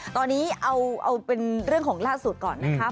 ตอนนี้เอาเป็นเรื่องของล่าสุดก่อนนะคะ